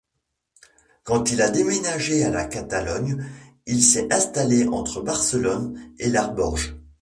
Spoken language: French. Quand il a déménagé à la Catalogne il s'est installé entre Barcelone et l'Arboç.